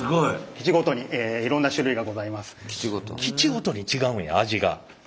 基地ごとに違うんや味が。